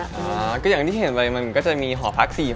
ก็อย่างที่เห็นไปมันก็จะมีหอพัก๔๐